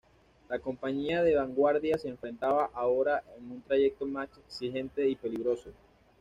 La compañía de vanguardia se enfrentaba ahora a un trayecto más exigente y peligroso.